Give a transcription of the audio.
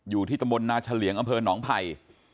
อยู่ที่ตมนาชาเหลียงอำเภอหนองไผ่